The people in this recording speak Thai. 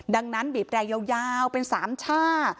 ดังนั้นบีบแรยาวเป็น๓ช่า